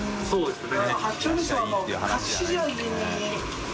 しそうですね。